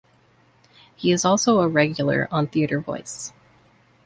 He is also a regular on "TheatreVoice".